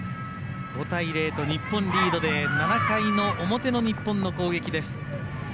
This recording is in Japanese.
５対０と日本リードで７回の表の日本の攻撃です。